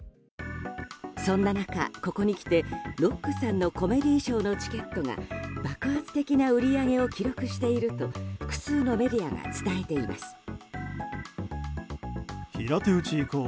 そんな中、ここにきてロックさんのコメディーショーのチケットが、爆発的な売り上げを記録していると複数のメディアが伝えています。